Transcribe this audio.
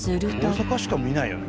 大阪しか見ないよね